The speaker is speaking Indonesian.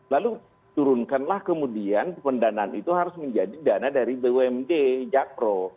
lalu turunkanlah kemudian pendanaan itu harus menjadi dana dari bumd jakpro